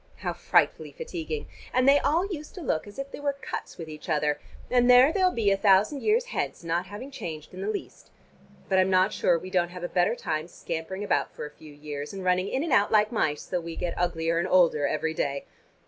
How frightfully fatiguing! And they all used to look as if they were cuts with each other, and there they'll be a thousand years hence, not having changed in the least. But I'm not sure we don't have the better time scampering about for a few years, and running in and out like mice, though we get uglier and older every day.